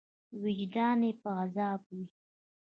وجدان یې په عذابوي.